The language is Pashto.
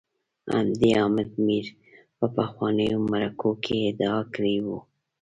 همدې حامد میر په پخوانیو مرکو کي ادعا کړې وه